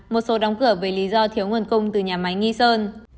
một số đóng cửa vì lý do thiếu nguồn cung từ nhà máy nghi sơn